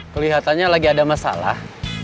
kelihatannya lagi ada masalah